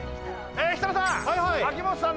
設楽さん